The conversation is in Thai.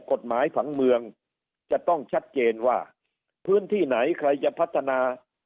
กฎหมายผังเมืองจะต้องชัดเจนว่าพื้นที่ไหนใครจะพัฒนา